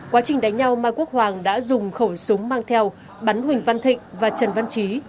quá trình đánh nhau mai quốc hoàng đã dùng khẩu súng mang theo bắn huỳnh văn thịnh và trần văn trí